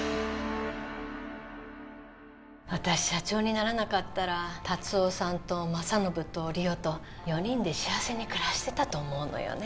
私社長にならなかったら達雄さんと政信と梨央と４人で幸せに暮らしてたと思うのよね